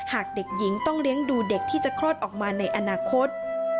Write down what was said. หากเด็กหญิงต้องเลี้ยงดูเด็กที่จะคลอดออกมาในอนาคต